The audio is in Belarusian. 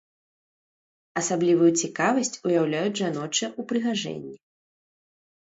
Асаблівую цікавасць уяўляюць жаночыя ўпрыгажэнні.